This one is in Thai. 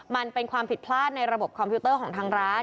มันเป็นความผิดพลาดในระบบคอมพิวเตอร์ของทางร้าน